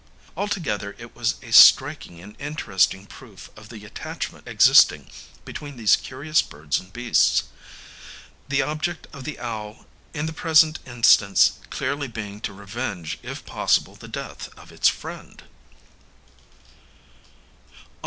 Altogether it was a striking and interesting proof of the attachment existing between these curious birds and beasts; the object of the owl in the present instance clearly being to revenge if possible the death of its friend.